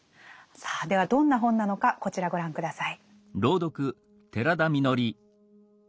さあではどんな本なのかこちらご覧下さい。